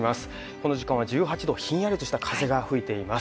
この時間は１８度ひんやりとした風が吹いています